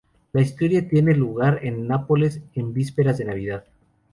La historia tiene lugar en Nápoles en vísperas de Navidad.